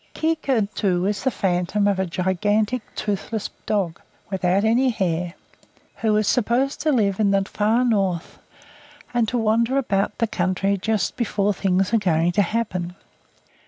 Quiquern, too, is the phantom of a gigantic toothless dog without any hair, who is supposed to live in the far North, and to wander about the country just before things are going to happen.